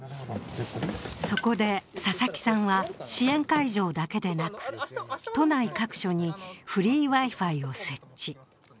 そこで佐々木さんは、支援会場だけでなく、都内各所にフリーＷｉ−Ｆｉを設置。